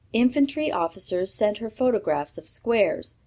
Infantry officers sent her photographs of 'squares.'